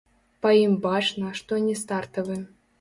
Па ім бачна, што не стартавы.